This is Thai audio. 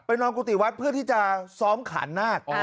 ไปนอนกุฏิวัฒน์เพื่อที่จะซ้อมขานาศ